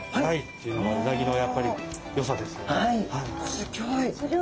すギョい！